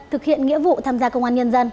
thực hiện nghĩa vụ tham gia công an nhân dân